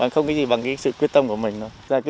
không cái gì bằng cái sự quyết tâm của mình đâu